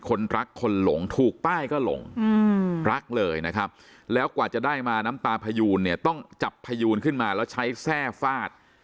คนรักคนหลงถูกป้ายก็หลงรักเลยนะครับแล้วกว่าจะได้มาน้ำตาพยูนเนี่ยต้องจับพยูนขึ้นมาแล้วใช้แทร่ฟาด